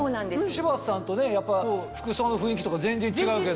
柴田さんとね服装の雰囲気とか全然違うけど。